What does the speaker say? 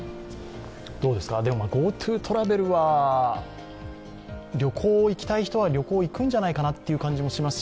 ＧｏＴｏトラベルは旅行行きたい人は旅行行くんじゃないかなっていう感じもします